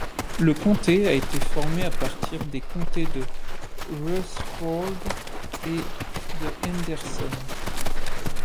Le comté a été formé à partir des comtés de Rutherford et de Henderson.